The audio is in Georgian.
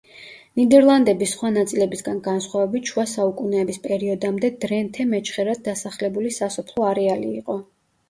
ნიდერლანდების სხვა ნაწილებისგან განსხვავებით, შუა საუკუნეების პერიოდამდე დრენთე მეჩხერად დასახლებული სასოფლო არეალი იყო.